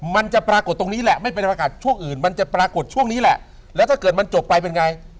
มันจะปรากฏตรงนี้แหละไม่เป็นประกาศช่วงอื่นมันจะปรากฏช่วงนี้แหละแล้วถ้าเกิดมันจบไปเป็นไง